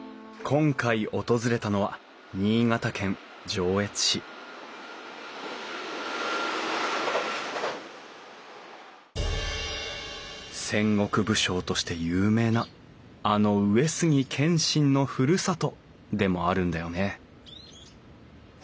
今回訪れたのは新潟県上越市戦国武将として有名なあの上杉謙信のふるさとでもあるんだよね